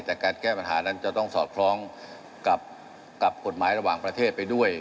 แต่การแก้ปัญหานั้นจะต้องสอดคล้องกับกฎหมายระหว่างประเทศไปด้วย